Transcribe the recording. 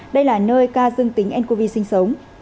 đây là nơi ca dương tính ncov sinh sống